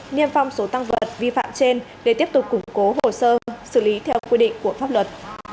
niêm phong số tăng vật vi phạm trên để tiếp tục củng cố hồ sơ xử lý theo quy định của pháp luật